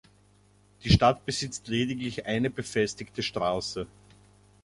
Die Stadt besitzt lediglich eine befestigte Straße.